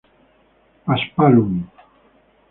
I. Paspalum.